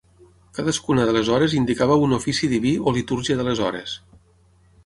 Cadascuna de les hores indicava un Ofici Diví o Litúrgia de les Hores.